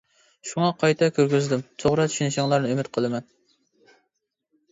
شۇڭا قايتا كىرگۈزدۈم توغرا چۈشىنىشىڭلارنى ئۈمىد قىلىمەن!